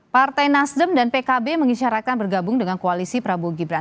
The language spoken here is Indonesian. partai nasdem dan pkb mengisyaratkan bergabung dengan koalisi prabowo gibran